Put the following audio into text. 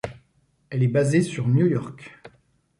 Elle est basée sur New-York.